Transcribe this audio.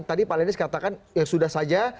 tadi pak lenis katakan ya sudah saja